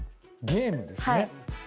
ゲームですね。